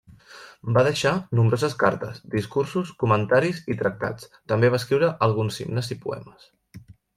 Va deixar nombroses cartes, discursos, comentaris i tractats; també va escriure alguns himnes i poemes.